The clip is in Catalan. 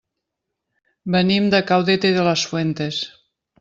Venim de Caudete de las Fuentes.